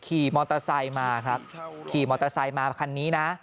ขี่มอเตอร์ไซค์มาครับขี่มอเตอร์ไซค์มาคันนี้นะ